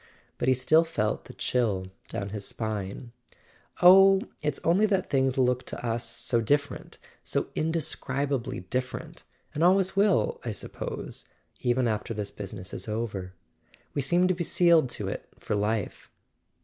But he still felt the chill down his spine. "Oh, it's only that things look to us so different— so indescribably different—and always will, I suppose, even after this business is over. We seem to be sealed to it for life."